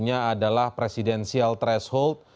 adalah presidensial threshold